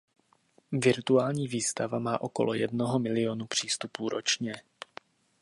Virtuální výstava má okolo jednoho milionu přístupů ročně.